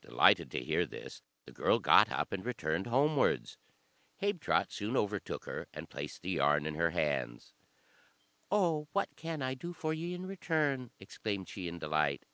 Delighted to hear this, the girl got up and returned homewards. Habetrot soon overtook her, and placed the yarn in her hands. "Oh, what can I do for ye in return?" exclaimed she, in delight.